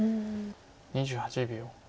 ２８秒。